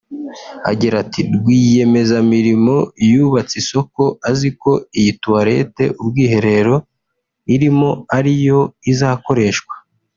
Agira ati “rwiyemezamirimo yubatse isoko aziko iyi toilette (ubwiherero) irimo ariyo izakoreshwa